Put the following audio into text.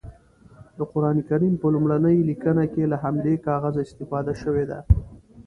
د قرانکریم په لومړنۍ لیکنه کې له همدې کاغذه استفاده شوې ده.